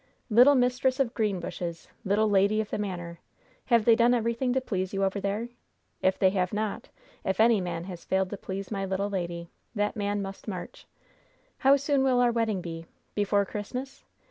"Little mistress of Greenbushes! Little lady of the manor! Have they done everything to please you over there? If they have not if any man has failed to please my little lady that man must march. How soon will our wedding be? Before Christmas?